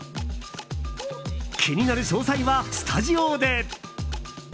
気になる詳細はスタジオで。